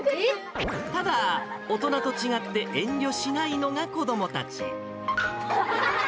ただ、大人と違って遠慮しないのが子どもたち。